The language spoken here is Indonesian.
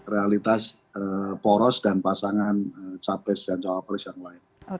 realitas poros dan pasangan capres dan cawapres yang lain